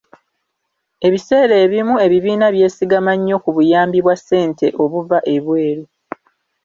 Ebiseera ebimu ebibiina byesigama nnyo ku buyambi bwa ssente obuva ebweru.